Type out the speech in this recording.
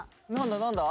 何だ？